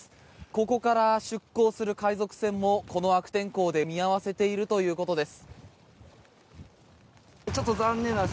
ここから出港する海賊船もこの悪天候で見合わせているということです。